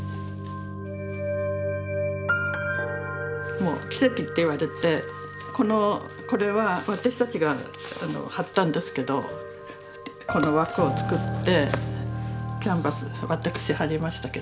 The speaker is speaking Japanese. もう奇跡って言われてこれは私たちが張ったんですけどこの枠を作ってキャンバス私張りましたけど。